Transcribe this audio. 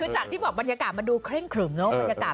จากที่บอกว่ามันดูเคร่งเขลึมเนอะ